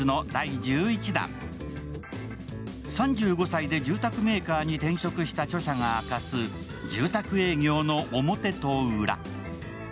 ３５歳で住宅メーカーに転職した著者が明かす住宅営業の表と裏。